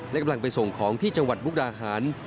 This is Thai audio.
และกำลังไปส่งของที่จังหวัดมุกดาหาร